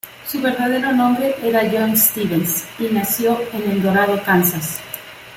Su verdadero nombre era John Stevens, y nació en El Dorado, Kansas.